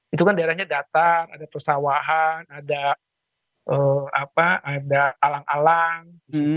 itu kan daerahnya datang ada persawahan ada alang alang